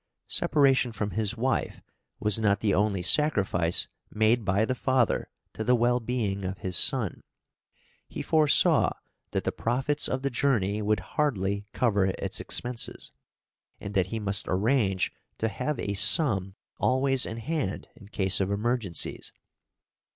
Separation from his wife was not the only sacrifice made by the father to the well being of his son. He foresaw that the profits of the journey would hardly cover its expenses, and that he must arrange to have a sum always in hand in case of emergencies.